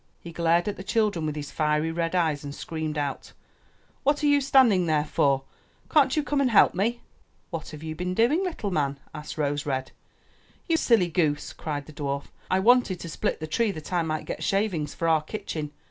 He glared at the children with his fiery red eyes and screamed out, ''What are you standing there for? Can't you come and help me?*' ''What haveyou been doing, little man?'' asked Rose red. "You silly goose," cried the dwarf, "I wanted to split the tree that I might get shavings for our kitchen.